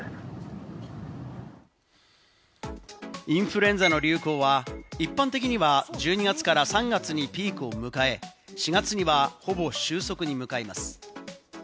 インフルエンザの流行は、一般的には１２月から３月にピークを迎え、４月にはほぼ収束に向かいます。